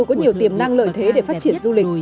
có nhiều tiềm năng lợi thế để phát triển du lịch